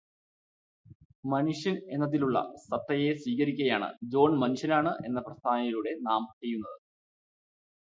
മനുഷ്യൻ എന്നതിലുള്ള സത്തയെ സ്വീകരിക്കുകയാണ് ജോൺ മനുഷ്യനാണ് എന്ന പ്രസ്താവനയിലൂടെ നാം ചെയ്യുന്നത്.